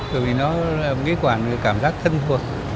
tại vì nó nghĩ quản cảm giác thân thuộc